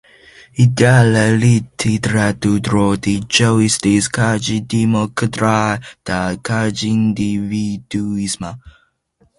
Ideala literaturo de Zhou estis kaj demokrata kaj individuisma.